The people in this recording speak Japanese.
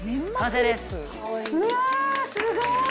うわあすごい！